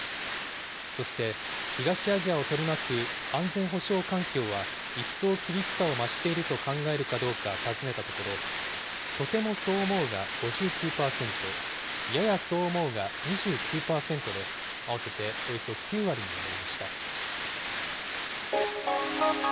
そして、東アジアを取り巻く安全保障環境は一層厳しさを増していると考えるかどうか尋ねたところ、とてもそう思うが５９％、ややそう思うが２９％で、合わせておよそ９割に上りました。